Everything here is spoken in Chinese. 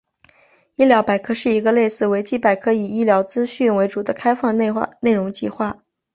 医疗百科是一个类似维基百科以医疗资讯为主的开放内容计划。